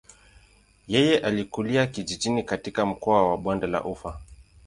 Yeye alikulia kijijini katika mkoa wa bonde la ufa.